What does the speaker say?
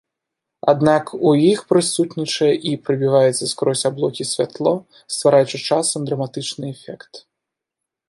Аднак у іх прысутнічае і прабіваецца скрозь аблокі святло, ствараючы часам драматычны эфект.